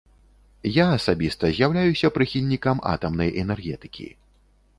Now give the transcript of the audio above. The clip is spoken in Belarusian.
Я асабіста з'яўляюся прыхільнікам атамнай энергетыкі.